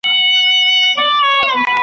له ملا څخه خوابدې سوه عورته .